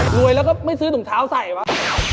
วยแล้วก็ไม่ซื้อถุงเท้าใส่วะ